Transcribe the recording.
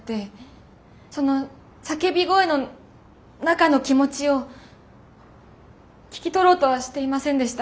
その叫び声の中の気持ちを聞き取ろうとはしていませんでした。